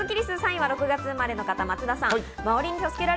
３位は６月生まれの方、松田さん。